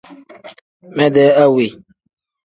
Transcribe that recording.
Mede awe.